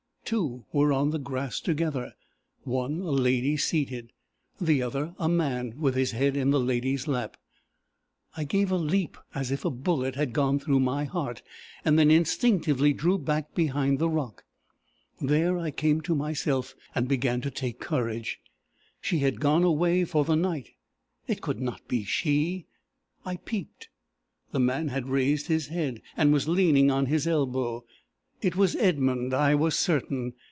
Two were on the grass together, one a lady seated, the other a man, with his head in the lady's lap. I gave a leap as if a bullet had gone through my heart, then instinctively drew back behind the rock. There I came to myself, and began to take courage. She had gone away for the night: it could not be she! I peeped. The man had raised his head, and was leaning on his elbow. It was Edmund, I was certain!